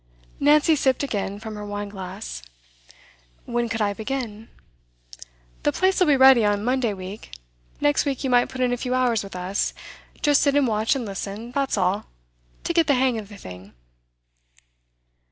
Nancy sipped again from her wine glass. 'When could I begin?' 'The place 'll be ready on Monday week. Next week you might put in a few hours with us. Just sit and watch and listen, that's all; to get the hang of the thing.